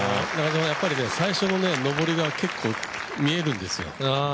やっぱり、最初の上りが結構見えるんですよ。